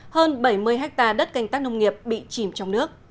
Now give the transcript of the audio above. hơn bảy mươi hectare đất canh tác nông nghiệp bị chìm trong nước